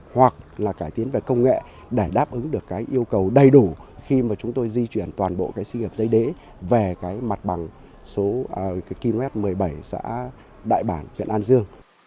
hoặc là cải tiến về công nghệ để đáp ứng được cái yêu cầu đầy đủ khi mà chúng tôi di chuyển toàn bộ cái sinh nghiệp giấy đế về cái mặt bằng số km một mươi bảy xã đại bản huyện an dương